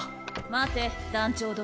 待て団長殿。